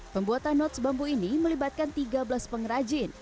pembuatan notes bambu ini melibatkan tiga belas pengrajin